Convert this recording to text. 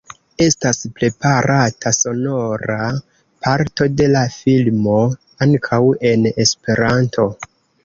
Estas preparata sonora parto de la filmo ankaŭ en Esperanto.